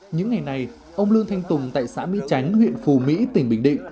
những ngày này ông lương thanh tùng tại xã mỹ chánh huyện phù mỹ tỉnh bình định